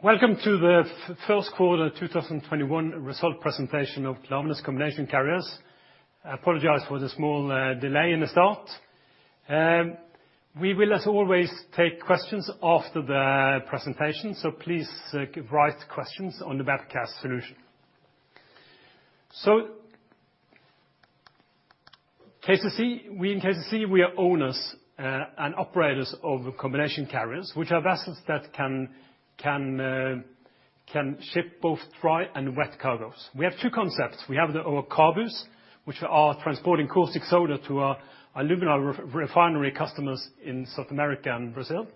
Welcome to the first quarter 2021 result presentation of Klaveness Combination Carriers. I apologize for the small delay in the start. We will, as always, take questions after the presentation, so please write questions on the webcast solution. In KCC, we are owners and operators of combination carriers, which are vessels that can ship both dry and wet cargoes. We have two concepts. We have our CABUs, which are transporting caustic soda to our alumina refinery customers in South America and Brazil.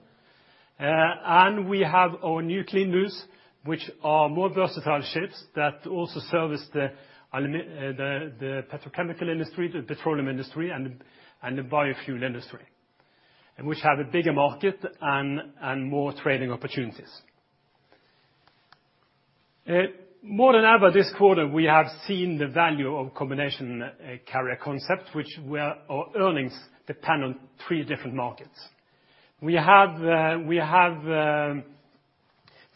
We have our new CLEANBUs, which are more versatile ships that also service the petrochemical industry, the petroleum industry, and the biofuel industry, and which have a bigger market and more trading opportunities. More than ever this quarter, we have seen the value of combination carrier concept, which our earnings depend on three different markets.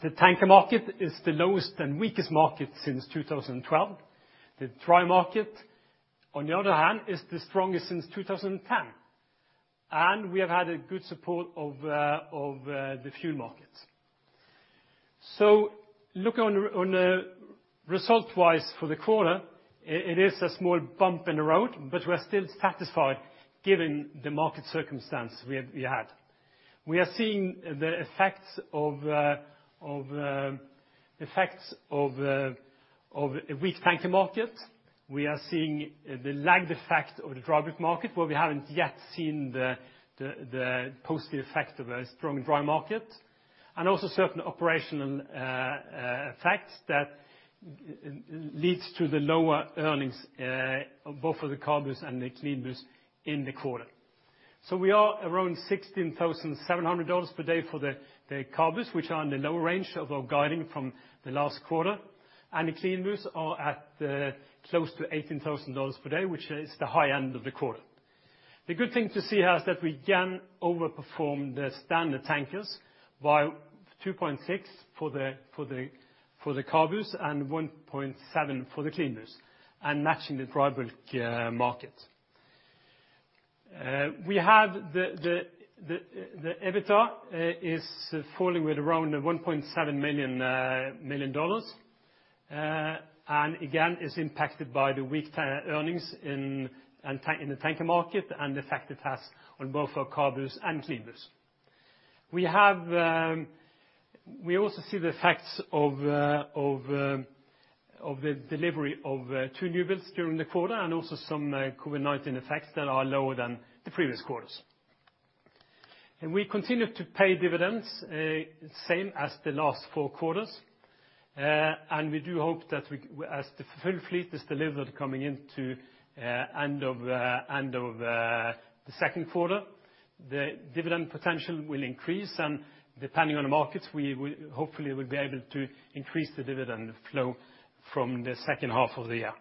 The tanker market is the lowest and weakest market since 2012. The dry market, on the other hand, is the strongest since 2010. We have had good support of the fuel markets. Looking result-wise for the quarter, it is a small bump in the road, but we are still satisfied given the market circumstance we had. We are seeing the effects of a weak tanker market. We are seeing the lagged effect of the dry bulk market, where we haven't yet seen the positive effect of a strong dry market, and also certain operational effects that leads to the lower earnings both for the CABUs and the CLEANBUs in the quarter. We are around $16,700 per day for the CABUs, which are in the lower range of our guiding from the last quarter. The CLEANBUs are at close to $18,000 per day, which is the high end of the quarter. The good thing to see is that we again overperformed the standard tankers by 2.6 for the CABUs and 1.7 for the CLEANBUs, and matching the dry bulk market. The EBITDA is falling with around $1.7 million, and again is impacted by the weak earnings in the tanker market and the effect it has on both our CABUs and CLEANBUs. We also see the effects of the delivery of two new builds during the quarter and also some COVID-19 effects that are lower than the previous quarters. We continue to pay dividends same as the last four quarters. We do hope that as the full fleet is delivered coming into end of the second quarter, the dividend potential will increase. Depending on the markets, we hopefully will be able to increase the dividend flow from the second half of the year.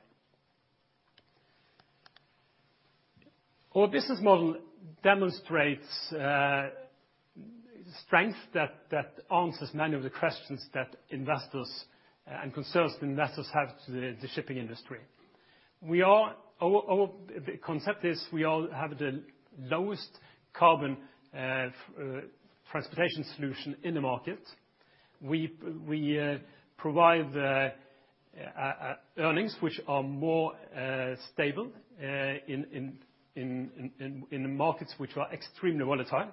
Our business model demonstrates strength that answers many of the questions and concerns that investors have to the shipping industry. Our concept is we have the lowest carbon transportation solution in the market. We provide earnings which are more stable in the markets which are extremely volatile.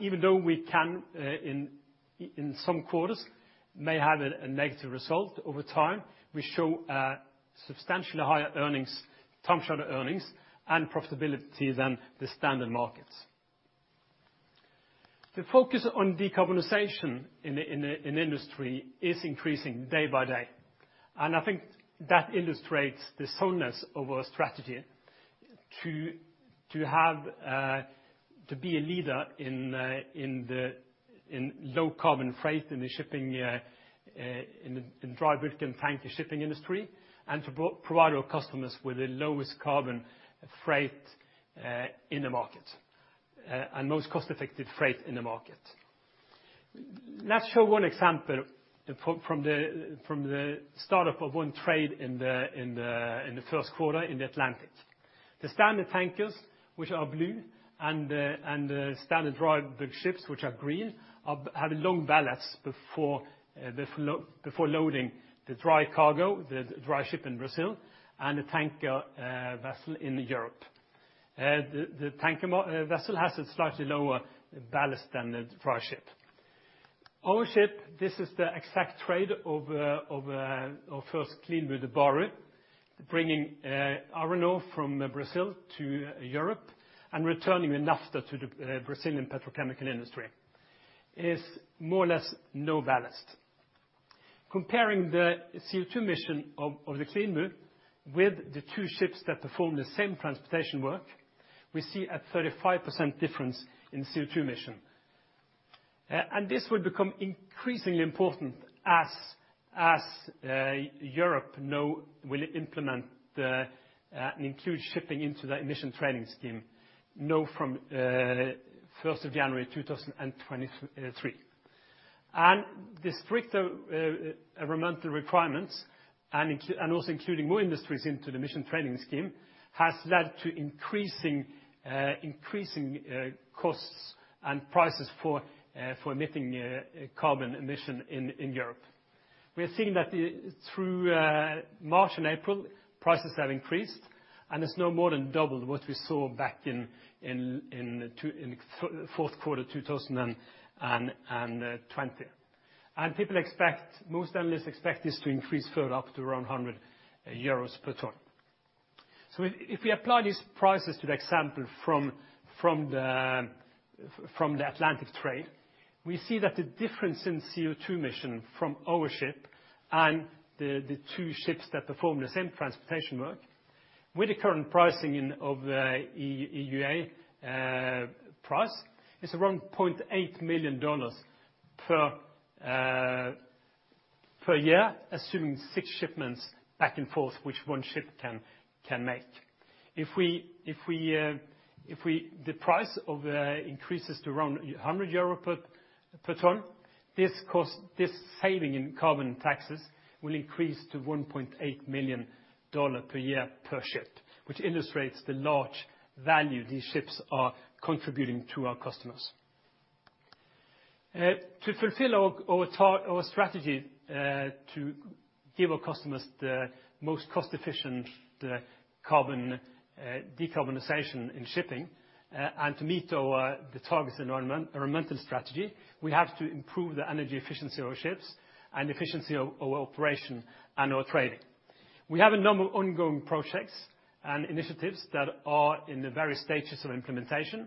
Even though we can, in some quarters, may have a negative result, over time, we show substantially higher TCE earnings and profitability than the standard markets. The focus on decarbonization in industry is increasing day by day, and I think that illustrates the soundness of our strategy to be a leader in low carbon freight in dry bulk and tanker shipping industry, and to provide our customers with the lowest carbon freight in the market and most cost-effective freight in the market. Let's show one example from the startup of one trade in the first quarter in the Atlantic. The standard tankers, which are blue, and the standard dry bulk ships, which are green, have long ballasts before loading the dry cargo, the dry ship in Brazil and the tanker vessel in Europe. The tanker vessel has a slightly lower ballast than the dry ship. Our ship, this is the exact trade of our first CLEANBUs, the MV Baru, bringing iron ore from Brazil to Europe and returning the naphtha to the Brazilian petrochemical industry. It's more or less no ballast. Comparing the CO2 emission of the CLEANBU with the two ships that perform the same transportation work, we see a 35% difference in CO2 emission. This will become increasingly important as Europe will implement and include shipping into the Emissions Trading System now from 1st of January 2023. The stricter environmental requirements and also including more industries into the Emissions Trading System has led to increasing costs and prices for emitting carbon emission in Europe. We are seeing that through March and April, prices have increased, and it's now more than double what we saw back in the fourth quarter 2020. Most analysts expect this to increase further up to around 100 euros per ton. If we apply these prices to the example from the Atlantic trade, we see that the difference in CO2 emission from our ship and the two ships that perform the same transportation work with the current pricing of the EUA price is around $0.8 million per year, assuming six shipments back and forth, which one ship can make. If the price increases to around 100 euro per ton, this saving in carbon taxes will increase to $1.8 million per year per ship, which illustrates the large value these ships are contributing to our customers. To fulfill our strategy to give our customers the most cost-efficient decarbonization in shipping and to meet the targets environmental strategy, we have to improve the energy efficiency of our ships and efficiency of our operation and our trading. We have a number of ongoing projects and initiatives that are in the various stages of implementation.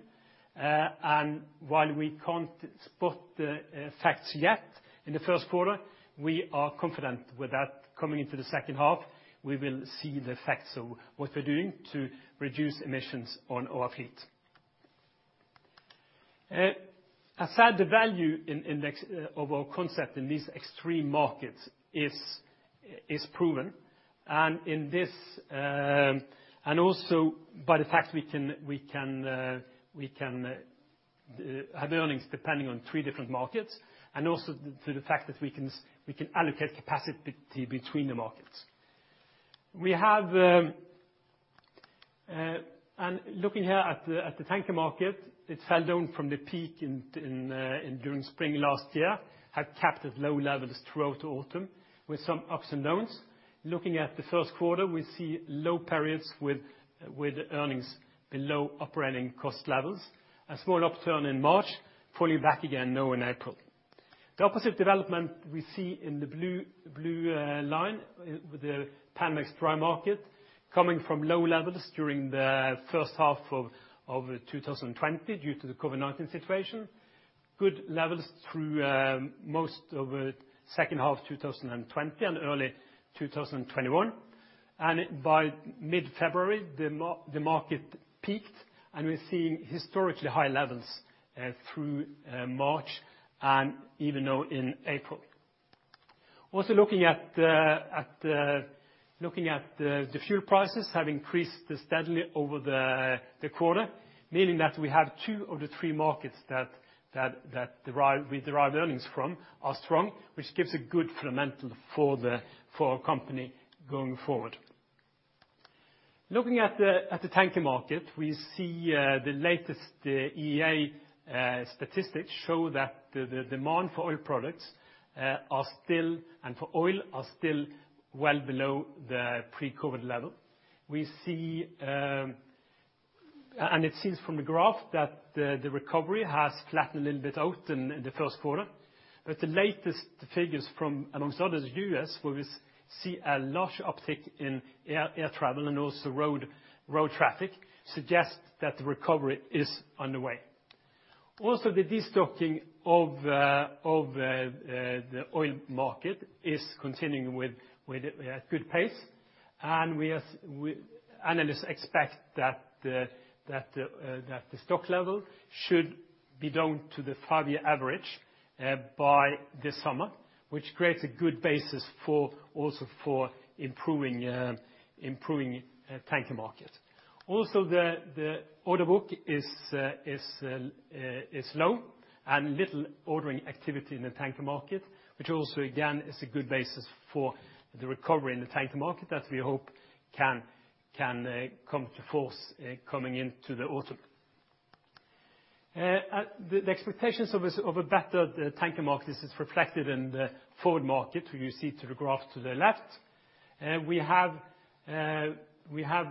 While we can't spot the effects yet in the first quarter, we are confident with that coming into the second half, we will see the effects of what we're doing to reduce emissions on our fleet. Aside, the value of our concept in these extreme markets is proven, and also by the fact we can have earnings depending on three different markets and also through the fact that we can allocate capacity between the markets. Looking here at the tanker market, it fell down from the peak during spring last year, had capped at low levels throughout the autumn with some ups and downs. Looking at the first quarter, we see low periods with earnings below operating cost levels. A small upturn in March, falling back again now in April. The opposite development we see in the blue line with the Panamax dry market coming from low levels during the first half of 2020 due to the COVID-19 situation. Good levels through most of the second half of 2020 and early 2021. By mid-February, the market peaked, and we're seeing historically high levels through March and even now in April. Also looking at the fuel prices have increased steadily over the quarter, meaning that we have two of the three markets that we derive earnings from are strong, which gives a good fundamental for our company going forward. Looking at the tanker market, we see the latest EIA statistics show that the demand for oil products and for oil are still well below the pre-COVID level. It seems from the graph that the recovery has flattened a little bit out in the first quarter, with the latest figures from, amongst others, the U.S., where we see a large uptick in air travel and also road traffic, suggest that the recovery is underway. Also, the destocking of the oil market is continuing at good pace and analysts expect that the stock level should be down to the five-year average by this summer, which creates a good basis also for improving tanker market. Also, the order book is low and little ordering activity in the tanker market, which also again is a good basis for the recovery in the tanker market that we hope can come to force coming into the autumn. The expectations of a better tanker market is reflected in the forward market, where you see to the graph to the left. We have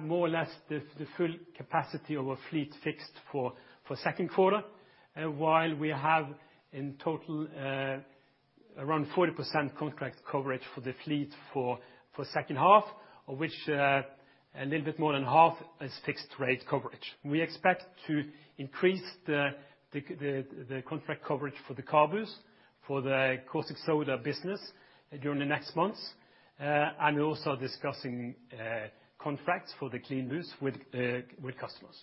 more or less the full capacity of our fleet fixed for second quarter, while we have in total around 40% contract coverage for the fleet for second half, of which a little bit more than half is fixed rate coverage. We expect to increase the contract coverage for the CABUs for the caustic soda business during the next months, and we're also discussing contracts for the CLEANBUs with customers.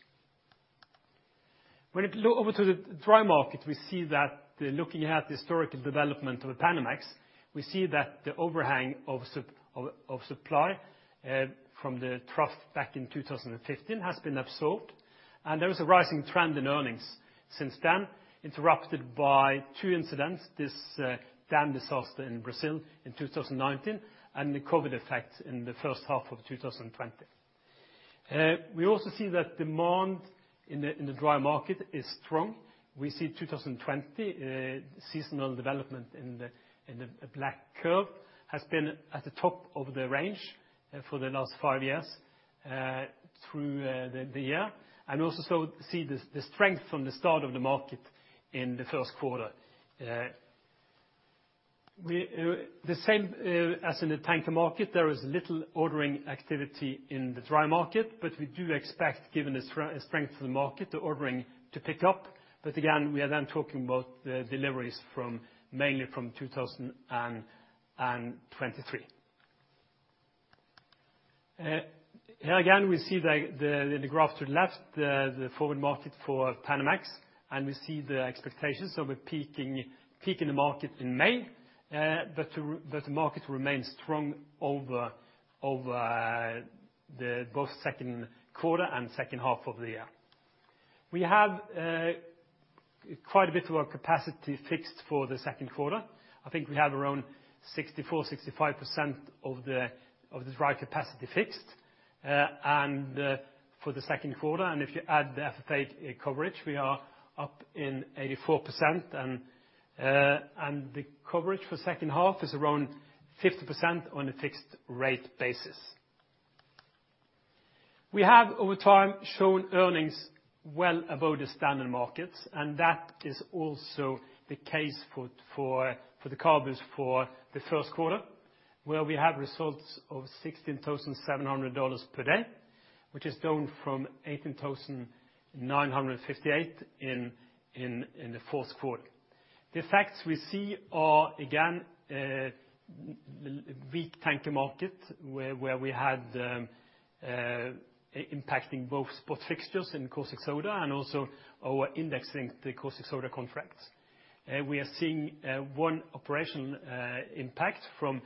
When it look over to the dry market, we see that looking at the historical development of a Panamax, we see that the overhang of supply from the trough back in 2015 has been absorbed, and there is a rising trend in earnings since then, interrupted by two incidents, this dam disaster in Brazil in 2019 and the COVID effect in the first half of 2020. We also see that demand in the dry market is strong. We see 2020 seasonal development in the black curve has been at the top of the range for the last five years through the year, and also see the strength from the start of the market in the first quarter. The same as in the tanker market, there is little ordering activity in the dry market, but we do expect, given the strength of the market, the ordering to pick up. Again, we are then talking about the deliveries mainly from 2023. Here again, we see the graph to the left, the forward market for Panamax, and we see the expectations of a peak in the market in May, but the market remains strong over both second quarter and second half of the year. We have quite a bit of our capacity fixed for the second quarter. I think we have around 64%, 65% of the dry capacity fixed for the second quarter. If you add the FFA coverage, we are up in 84%. The coverage for second half is around 50% on a fixed rate basis. We have, over time, shown earnings well above the standard markets, and that is also the case for the CABUs for the first quarter, where we have results of $16,700 per day, which is down from $18,958 in the fourth quarter. The effects we see are, again, weak tanker market, where we had impacting both spot fixtures in caustic soda and also our indexing the caustic soda contracts. We are seeing one operational impact from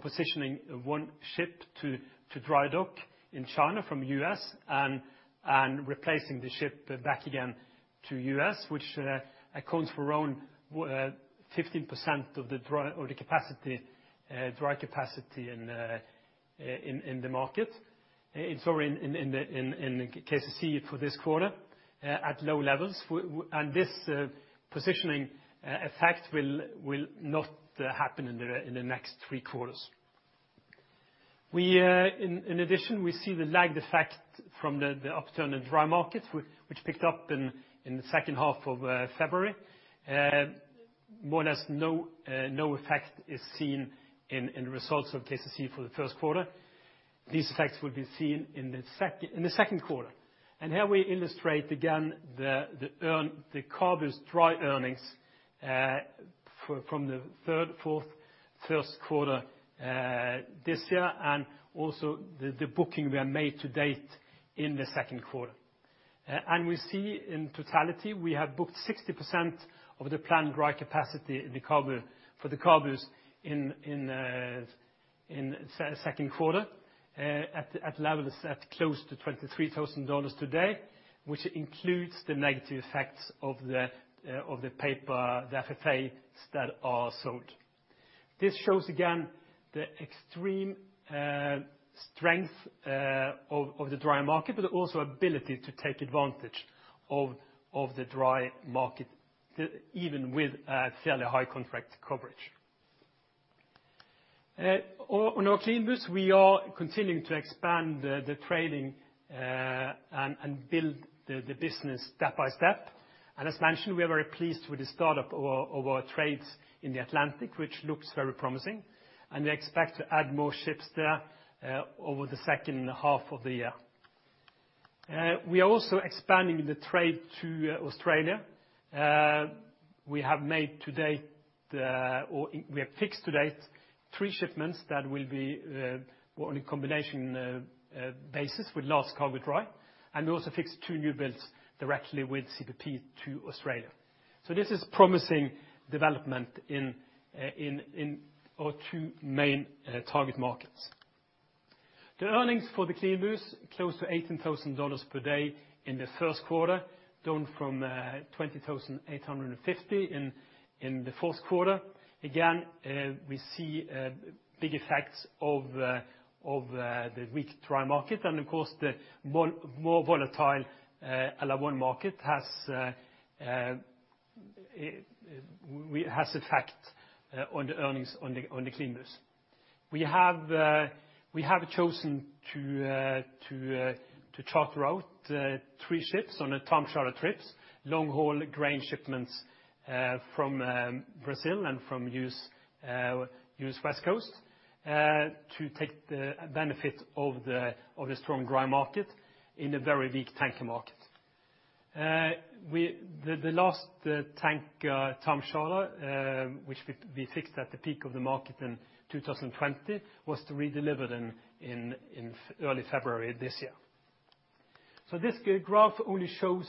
positioning one ship to dry dock in China from U.S. and replacing the ship back again to U.S., which accounts for around 15% of the dry capacity in KCC for this quarter at low levels. This positioning effect will not happen in the next three quarters. In addition, we see the lagged effect from the upturn in dry markets, which picked up in the second half of February. More or less no effect is seen in the results of KCC for the first quarter. These effects will be seen in the second quarter. Here we illustrate again the CABUs dry earnings from the third, fourth, first quarter this year and also the booking we have made to date in the second quarter. We see in totality, we have booked 60% of the planned dry capacity for the CABUs in second quarter at levels at close to $23,000 today, which includes the negative effects of the paper, the FFAs that are sold. This shows again the extreme strength of the dry market, but also ability to take advantage of the dry market, even with a fairly high contract coverage. On our CLEANBUs, we are continuing to expand the trading and build the business step by step. As mentioned, we are very pleased with the start-up of our trades in the Atlantic, which looks very promising, and we expect to add more ships there over the second half of the year. We are also expanding the trade to Australia. We have made to date or we have fixed to date three shipments that will be on a combination basis with last cargo dry, and we also fixed two new builds directly with CPP to Australia. This is promising development in our two main target markets. The earnings for the CLEANBUs, close to $18,000 per day in the first quarter, down from $20,850 in the fourth quarter. Again, we see big effects of the weak dry market and of course, the more volatile LR1 market has effect on the earnings on the CLEANBUs. We have chosen to charter out three ships on a time charter trips, long-haul grain shipments from Brazil and from U.S. West Coast to take the benefit of the strong dry market in a very weak tanker market. The last tank time charter, which we fixed at the peak of the market in 2020, was redelivered in early February this year. This graph only shows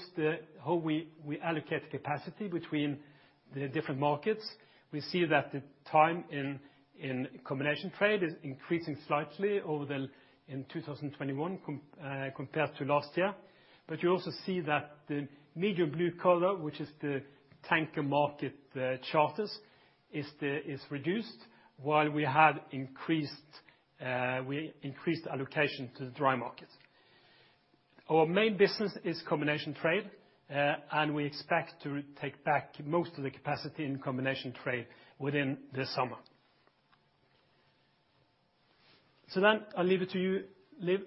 how we allocate capacity between the different markets. We see that the time in combination trade is increasing slightly in 2021 compared to last year. You also see that the medium blue color, which is the tanker market charters, is reduced, while we increased allocation to the dry market. Our main business is combination trade, and we expect to take back most of the capacity in combination trade within this summer. I'll leave it to you, Liv.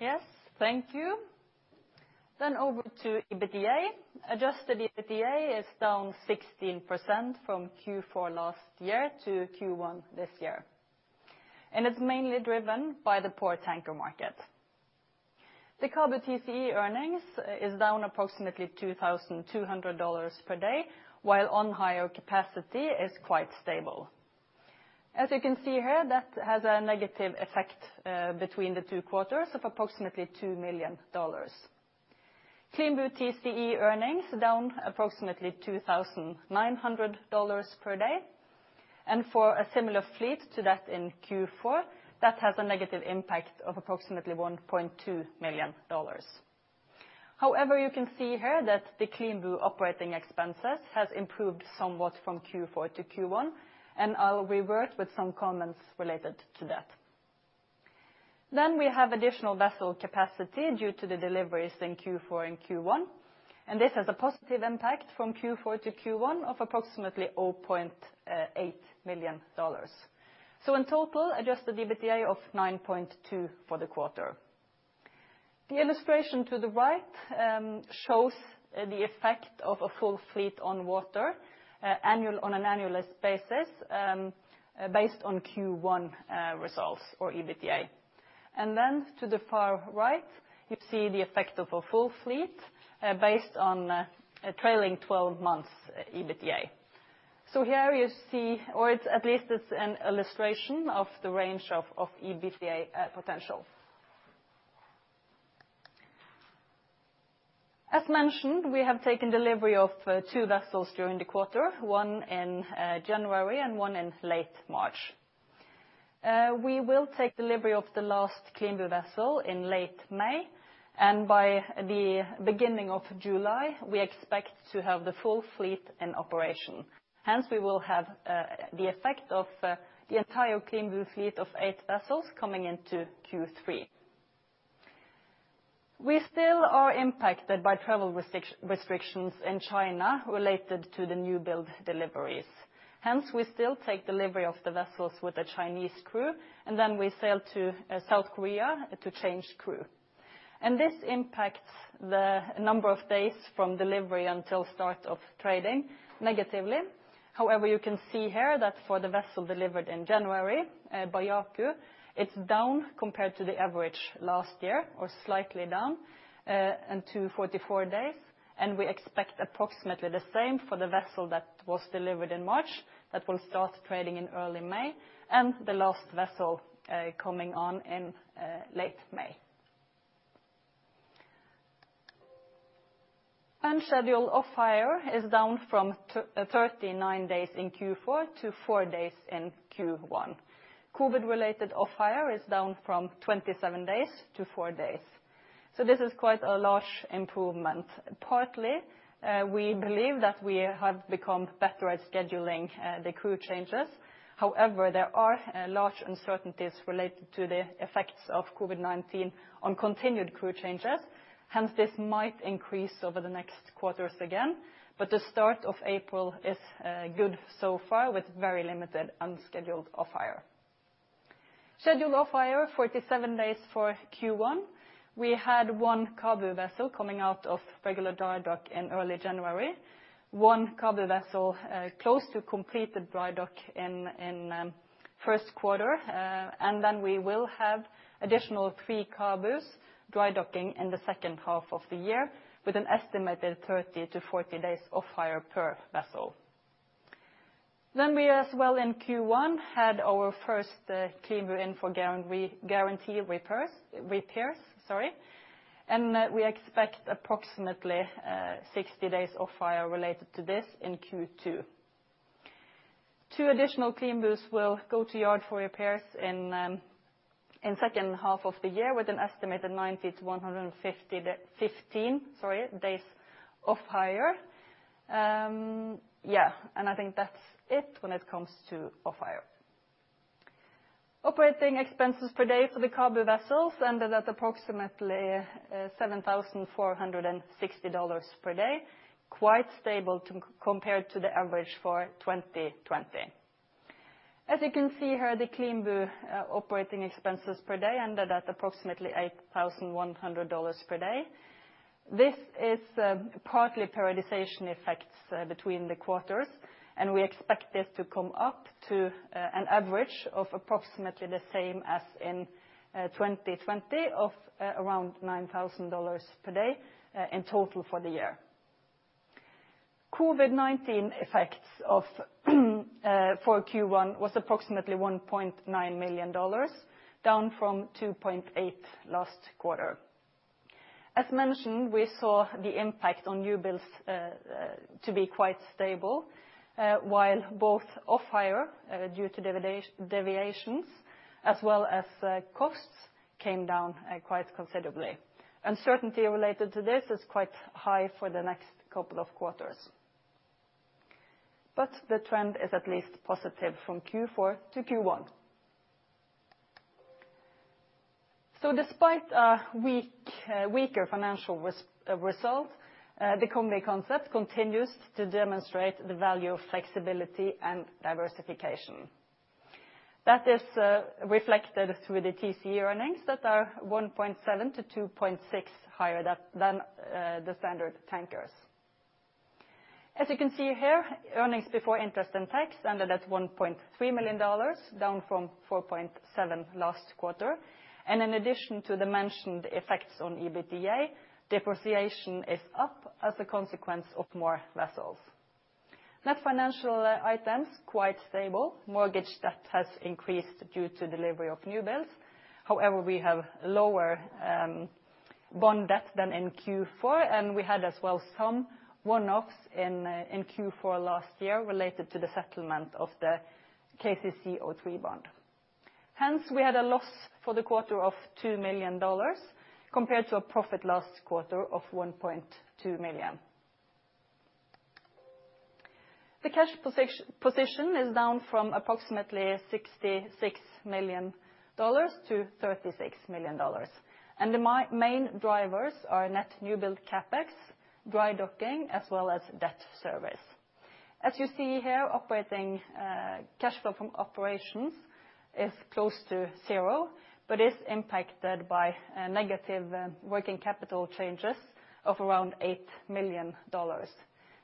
Yes, thank you. Over to EBITDA. Adjusted EBITDA is down 16% from Q4 last year to Q1 this year, and it's mainly driven by the poor tanker market. The CABU TCE earnings is down approximately $2,200 per day, while on-hire capacity is quite stable. As you can see here, that has a negative effect between the two quarters of approximately $2 million. CLEANBU TCE earnings down approximately $2,900 per day, and for a similar fleet to that in Q4, that has a negative impact of approximately $1.2 million. However, you can see here that the CLEANBU operating expenses has improved somewhat from Q4-Q1, and I will revert with some comments related to that. We have additional vessel capacity due to the deliveries in Q4 and Q1, and this has a positive impact from Q4-Q1 of approximately $0.8 million. In total, Adjusted EBITDA of $9.2 for the quarter. The illustration to the right shows the effect of a full fleet on water on an annualized basis, based on Q1 results or EBITDA. To the far right, you see the effect of a full fleet based on a trailing 12 months EBITDA. Here you see, or at least it's an illustration of the range of EBITDA potential. As mentioned, we have taken delivery of two vessels during the quarter, one in January and one in late March. We will take delivery of the last CLEANBU vessel in late May, and by the beginning of July, we expect to have the full fleet in operation. Hence, we will have the effect of the entire CLEANBU fleet of eight vessels coming into Q3. We still are impacted by travel restrictions in China related to the new build deliveries. We still take delivery of the vessels with a Chinese crew, and then we sail to South Korea to change crew. This impacts the number of days from delivery until start of trading negatively. However, you can see here that for the vessel delivered in January, MV Baiacu, it's down compared to the average last year or slightly down, and 244 days. We expect approximately the same for the vessel that was delivered in March that will start trading in early May and the last vessel coming on in late May. Unscheduled off-hire is down from 39 days in Q4 to four days in Q1. COVID-related off-hire is down from 27 days to four days. This is quite a large improvement. Partly, we believe that we have become better at scheduling the crew changes. There are large uncertainties related to the effects of COVID-19 on continued crew changes. This might increase over the next quarters again, but the start of April is good so far with very limited unscheduled off-hire. Scheduled off-hire, 47 days for Q1. We had one CABU vessel coming out of regular dry dock in early January, one CABU vessel close to completed dry dock in first quarter, we will have additional three CABUs dry docking in the second half of the year with an estimated 30-40 days off-hire per vessel. We as well in Q1 had our first CLEANBU in for guarantee repairs, we expect approximately 60 days off-hire related to this in Q2. Two additional CLEANBUs will go to yard for repairs in second half of the year with an estimated 90-115 days off-hire. I think that's it when it comes to off-hire. Operating expenses per day for the CABU vessels ended at approximately $7,460 per day, quite stable compared to the average for 2020. As you can see here, the CLEANBU operating expenses per day ended at approximately $8,100 per day. This is partly periodization effects between the quarters, and we expect this to come up to an average of approximately the same as in 2020 of around $9,000 per day in total for the year. COVID-19 effects for Q1 was approximately $1.9 million, down from $2.8 million last quarter. As mentioned, we saw the impact on new builds to be quite stable, while both off-hire due to deviations, as well as costs came down quite considerably. Uncertainty related to this is quite high for the next couple of quarters. The trend is at least positive from Q4-Q1. Despite a weaker financial result, the combi concept continues to demonstrate the value of flexibility and diversification. That is reflected through the TCE earnings that are 1.7-2.6 higher than the standard tankers. As you can see here, earnings before interest and tax ended at $1.3 million, down from $4.7 million last quarter. In addition to the mentioned effects on EBITDA, depreciation is up as a consequence of more vessels. Net financial items were quite stable. Mortgage debt has increased due to delivery of new builds. We have lower bond debt than in Q4, and we had as well some one-offs in Q4 last year related to the settlement of the KCC 03 bond. We had a loss for the quarter of$2 million, compared to a profit last quarter of $1.2 million. The cash position is down from approximately $ 66 million-$36 million. The main drivers are net new build CapEx, dry docking, as well as debt service. As you see here, cash flow from operations is close to zero, but is impacted by negative working capital changes of around $8 million.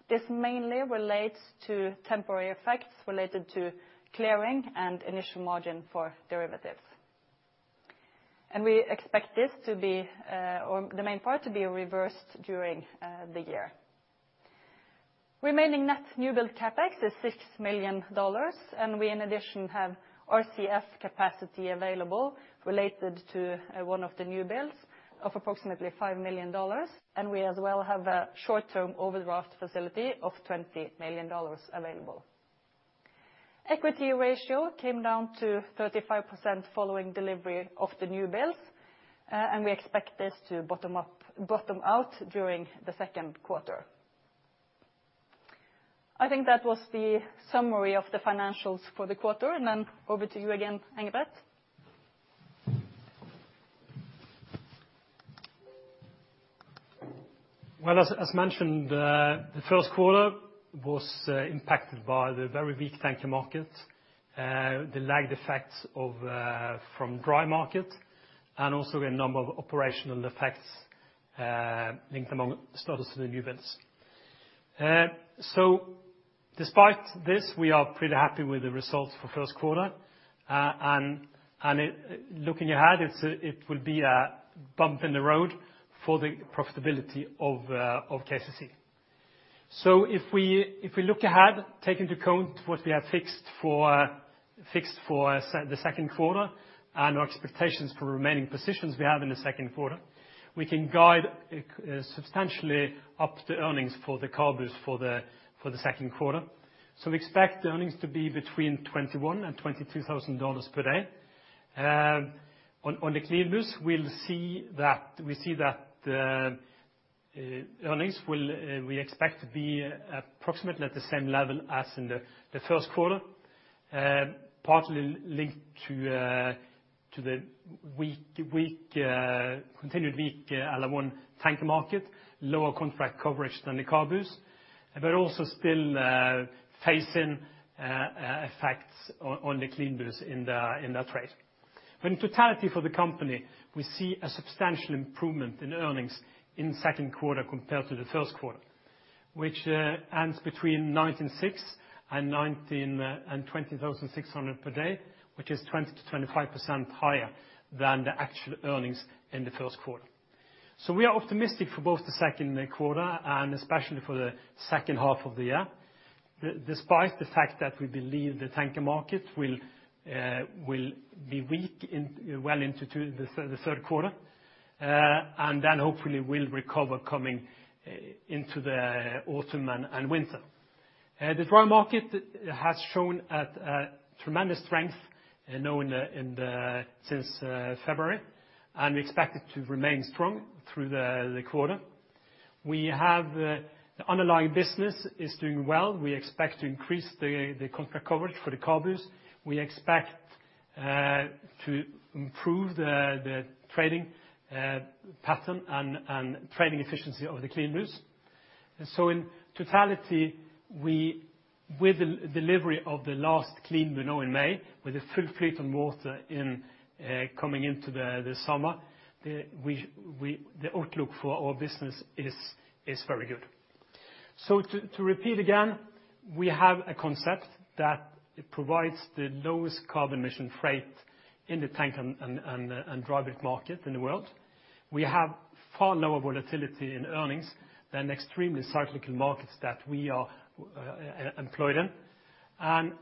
This mainly relates to temporary effects related to clearing and initial margin for derivatives. We expect the main part to be reversed during the year. Remaining net new build CapEx is $6 million, and we in addition have RCF capacity available related to one of the new builds of approximately $5 million, and we as well have a short-term overdraft facility of $20 million available. Equity ratio came down to 35% following delivery of the new builds, and we expect this to bottom out during the second quarter. I think that was the summary of the financials for the quarter, and then over to you again, Engebret. Well, as mentioned, the first quarter was impacted by the very weak tanker market, the lagged effects from dry market, and also a number of operational effects linked among the status of the new builds. Despite this, we are pretty happy with the results for first quarter. Looking ahead, it will be a bump in the road for the profitability of KCC. If we look ahead, take into account what we have fixed for the second quarter and our expectations for remaining positions we have in the second quarter, we can guide substantially up the earnings for the CABUs for the second quarter. We expect the earnings to be between $21,000 and $22,000 per day. On the CLEANBUs, we see that the earnings we expect to be approximately at the same level as in the first quarter, partly linked to the continued weak LR1 tanker market, lower contract coverage than the CABUs, but also still facing effects on the CLEANBUs in the trade. In totality for the company, we see a substantial improvement in earnings in the second quarter compared to the first quarter, which ends between $19,600 and $20,600 per day, which is 20%-25% higher than the actual earnings in the first quarter. We are optimistic for both the second quarter and especially for the second half of the year, despite the fact that we believe the tanker market will be weak well into the third quarter, and then hopefully will recover coming into the autumn and winter. The dry market has shown a tremendous strength since February, and we expect it to remain strong through the quarter. The underlying business is doing well. We expect to increase the contract coverage for the CABUs. We expect to improve the trading pattern and trading efficiency of the CLEANBUs. In totality, with the delivery of the last CLEANBU in May, with a full fleet on water coming into the summer, the outlook for our business is very good. To repeat again, we have a concept that provides the lowest carbon emission freight in the tanker and dry bulk market in the world. We have far lower volatility in earnings than extremely cyclical markets that we are employed in.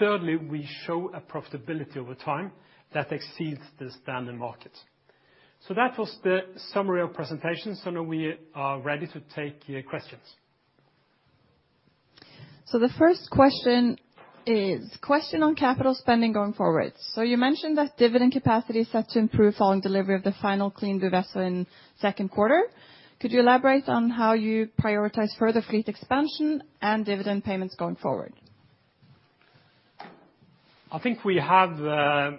Thirdly, we show a profitability over time that exceeds the standard market. That was the summary of presentation. Sune, we are ready to take questions. The first question is question on capital spending going forward. You mentioned that dividend capacity is set to improve following delivery of the final CLEANBU vessel in second quarter. Could you elaborate on how you prioritize further fleet expansion and dividend payments going forward? I think we have no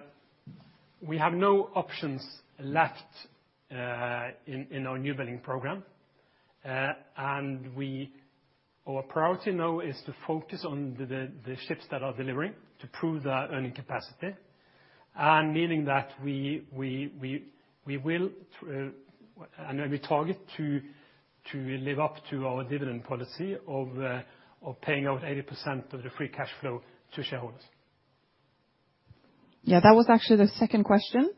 options left in our new building program. Our priority now is to focus on the ships that are delivering to prove their earning capacity. Meaning that we will and we target to live up to our dividend policy of paying out 80% of the free cash flow to shareholders. Yeah, that was actually the second question,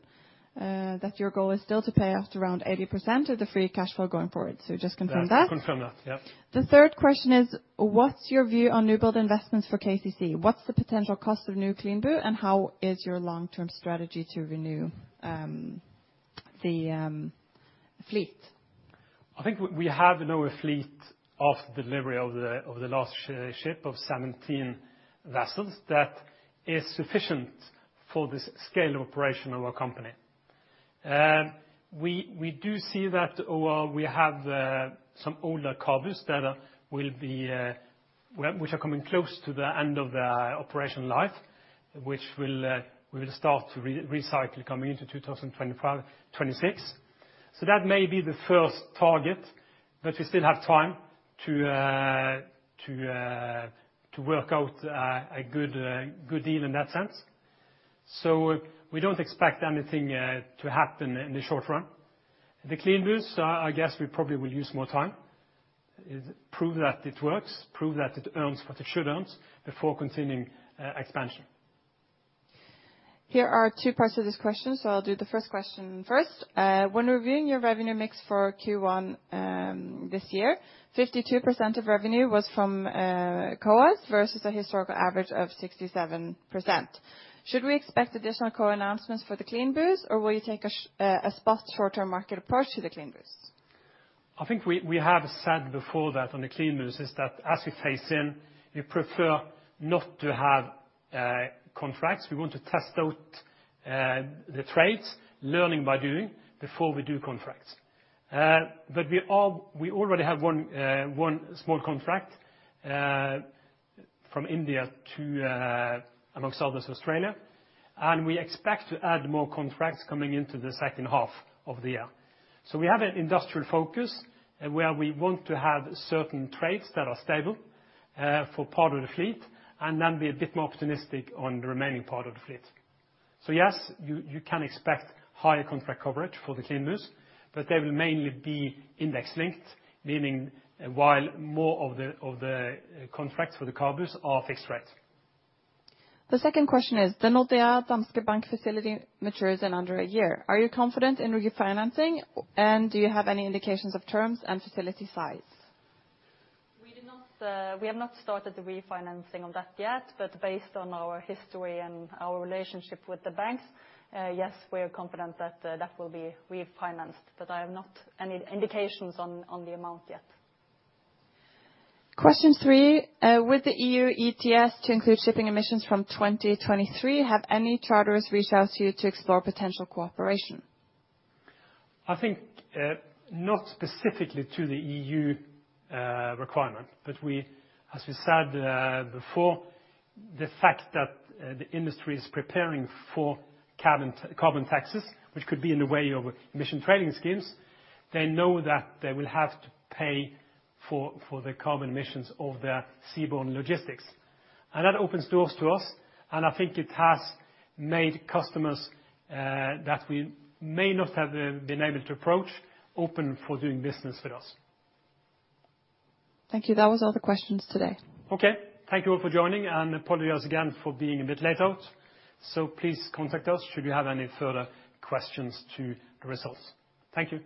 that your goal is still to pay out around 80% of the free cash flow going forward. Just confirm that. Yes, confirm that. Yep. The third question is: what's your view on new build investments for KCC? What's the potential cost of new CLEANBU, and how is your long-term strategy to renew the fleet? I think we have now a fleet of delivery of the last ship of 17 vessels that is sufficient for the scale of operation of our company. We do see that we have some older CABUs which are coming close to the end of their operation life, which we will start to recycle coming into 2025-2026. That may be the first target, but we still have time to work out a good deal in that sense. We don't expect anything to happen in the short run. The CLEANBUs, I guess we probably will use more time, prove that it works, prove that it earns what it should earn before continuing expansion. Here are two parts of this question, so I'll do the first question first. When reviewing your revenue mix for Q1 this year, 52% of revenue was from COAs versus a historical average of 67%. Should we expect additional co-announcements for the CLEANBUs, or will you take a spot short-term market approach to the CLEANBUs? I think we have said before that on the CLEANBUs is that as we phase in, we prefer not to have contracts. We want to test out the trades, learning by doing before we do contracts. We already have one small contract from India to, amongst others, Australia, and we expect to add more contracts coming into the second half of the year. We have an industrial focus where we want to have certain trades that are stable for part of the fleet, and then be a bit more opportunistic on the remaining part of the fleet. Yes, you can expect higher contract coverage for the CLEANBUs, but they will mainly be index-linked, meaning while more of the contracts for the CABUs are fixed rate. The second question is, the Nordea Danske Bank facility matures in under a year. Are you confident in refinancing, and do you have any indications of terms and facility size? We have not started the refinancing on that yet, based on our history and our relationship with the banks, yes, we are confident that that will be refinanced. I have not any indications on the amount yet. Question three, with the EU ETS to include shipping emissions from 2023, have any charterers reached out to you to explore potential cooperation? I think not specifically to the EU requirement, but as we said before, the fact that the industry is preparing for carbon taxes, which could be in the way of emission trading schemes, they know that they will have to pay for the carbon emissions of their seaborne logistics. That opens doors to us, and I think it has made customers that we may not have been able to approach, open for doing business with us. Thank you. That was all the questions today. Okay. Thank you all for joining, and apologies again for being a bit late out. Please contact us should you have any further questions to the results. Thank you.